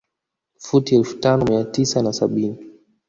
Futi elfu tano mia tisa na sabini